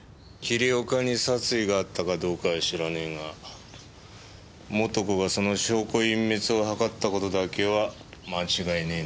桐岡に殺意があったかどうかは知らねえが素子がその証拠隠滅を図った事だけは間違いねえな。